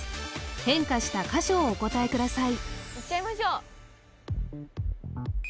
変化した箇所をお答えください